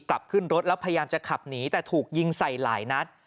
กลับขึ้นรถแล้วพยายามจะขับหนีแต่ถูกยิงใส่หลายนัด